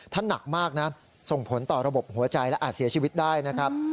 ถ้าหนักมากนะส่งผลต่อระบบหัวใจและอาจเสียชีวิตได้นะครับ